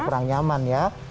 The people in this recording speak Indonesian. kurang nyaman ya